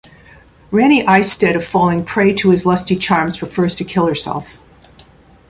Rani istead of falling prey to his lusty charms prefers to kill herself.